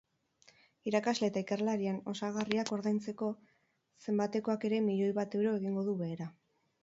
Irakasle eta ikerlarien osagarriak ordaintzeko zenbatekoak ere milioi bat euro egingo du behera.